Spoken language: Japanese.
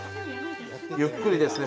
ゆっくりですね